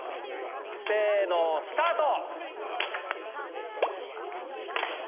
せのスタート！